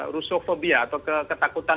rusofobia atau ketakutan